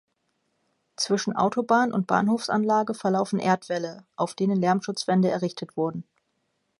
Zwischen Autobahn und Bahnhofsanlage verlaufen Erdwälle, auf denen Lärmschutzwände errichtet wurden.